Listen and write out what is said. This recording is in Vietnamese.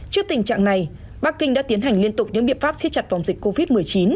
trước tình trạng này bắc kinh đã tiến hành liên tục những biện pháp siết chặt vòng dịch covid một mươi chín